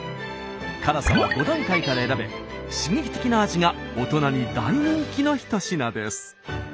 辛さは５段階から選べ刺激的な味が大人に大人気の一品です。